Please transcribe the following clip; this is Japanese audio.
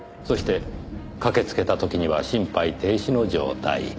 そして駆けつけた時には心肺停止の状態。